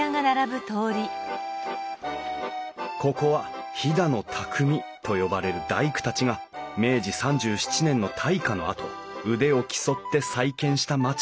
ここは飛騨の匠と呼ばれる大工たちが明治３７年の大火のあと腕を競って再建した町。